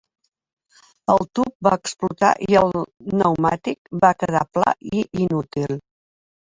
El tub va explotar i el pneumàtic va quedar pla i inútil.